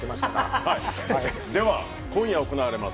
では、今夜行われます